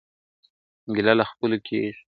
ګیله له خپلو کېږي !.